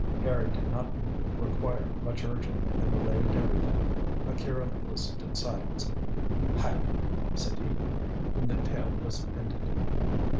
Harry did not require much urging, and related everything. Akira listened in silence. "Hai!" said he, when the tale was ended.